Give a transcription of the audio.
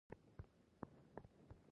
دوی د ونډو بازارونه کنټرولوي.